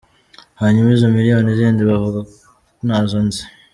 Hanyuma izo miliyoni zindi bavuga ntazo nzi.